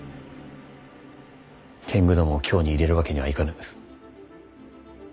天狗どもを京に入れるわけにはいかぬ。